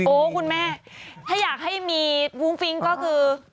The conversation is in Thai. คุณแม่ถ้าอยากให้มีฟุ้งฟิ้งก็คือ